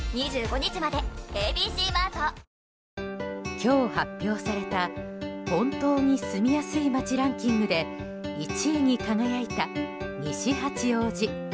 今日、発表された本当に住みやすい街ランキングで１位に輝いた西八王子。